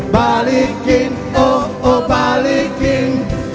balikin oh oh balikin